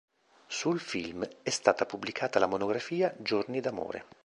Sul film è stata pubblicata la monografia "Giorni d'amore.